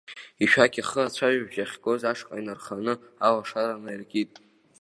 Ишәақь ахы ацәажәабжь ахьгоз ашҟа инарханы, алашара наиркит.